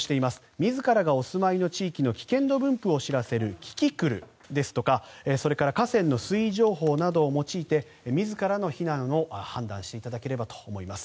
自らがお住まいの地域の危険度分布を知らせるキキクルですとかそれから河川の水位情報などを用いて自らの避難を判断していただければと思います。